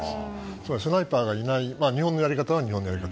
つまりスナイパーがいない日本のやり方は日本のやり方。